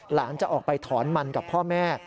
หลานจะออกไปถอนมันกับพ่อแม่